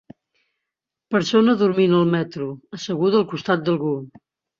Persona dormint al metro, asseguda al costat d'algú.